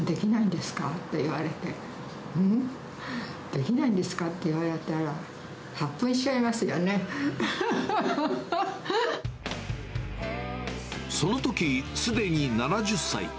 できないんですかって言われたら、発奮しちゃいそのとき、すでに７０歳。